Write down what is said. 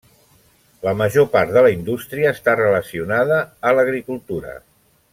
La major part de la indústria està relacionada a l'agricultura.